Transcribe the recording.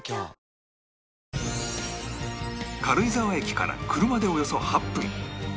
軽井沢駅から車でおよそ８分